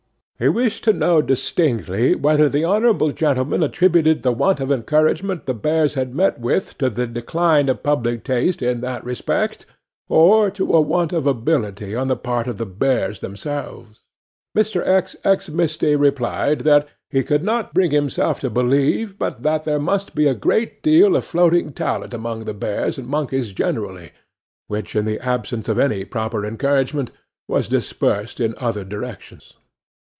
He wished to know distinctly whether the honourable gentleman attributed the want of encouragement the bears had met with to the decline of public taste in that respect, or to a want of ability on the part of the bears themselves? 'MR. X. X. MISTY replied, that he could not bring himself to believe but that there must be a great deal of floating talent among the bears and monkeys generally; which, in the absence of any proper encouragement, was dispersed in other directions.